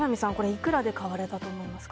いくらで買われたと思いますか？